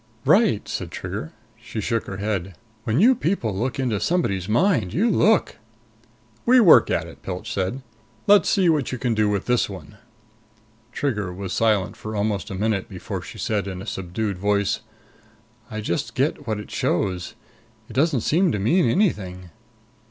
"Right," said Trigger. She shook her head. "When you people look into somebody's mind, you look!" "We work at it," Pilch said. "Let's see what you can do with this one." Trigger was silent for almost a minute before she said in a subdued voice, "I just get what it shows. It doesn't seem to mean anything?"